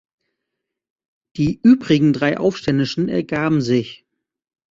Die übrigen drei Aufständischen ergaben sich.